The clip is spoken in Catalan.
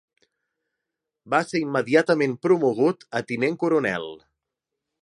Va ser immediatament promogut a tinent coronel.